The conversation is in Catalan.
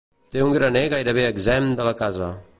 Té un graner gairebé exempt de la casa.